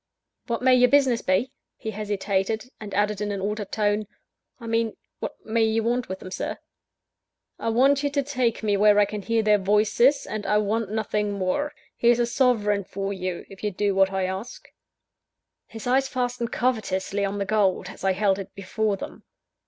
"What may your business be?" He hesitated, and added in an altered tone, "I mean, what may you want with them, Sir?" "I want you to take me where I can hear their voices, and I want nothing more. Here's a sovereign for you, if you do what I ask." His eyes fastened covetously on the gold, as I held it before them.